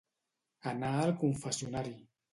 Anar al confessionari.